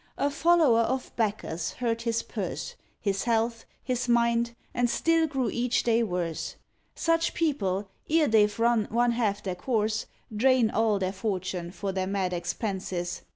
A follower of Bacchus hurt his purse, His health, his mind, and still grew each day worse; Such people, ere they've run one half their course, Drain all their fortune for their mad expenses.